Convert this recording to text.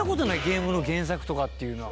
ゲームの原作とかっていうの。